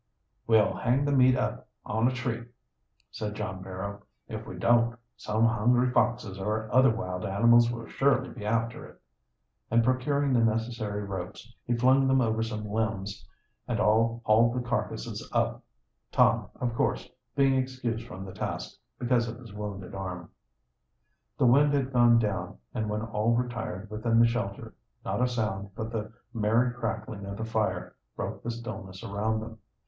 "We'll hang the meat up on a tree," said John Barrow. "If we don't some hungry foxes or other wild animals will surely be after it." And procuring the necessary ropes, he flung them over some limbs and all hauled the carcasses up, Tom, of course, being excused from the task, because of his wounded arm. The wind had gone down, and when all retired within the shelter not a sound but the merry crackling of the fire broke the stillness around them.